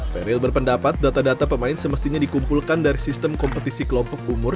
ferryl berpendapat data data pemain semestinya dikumpulkan dari sistem kompetisi kelompok umur